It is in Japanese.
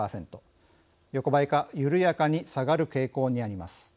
横ばいか緩やかに下がる傾向にあります。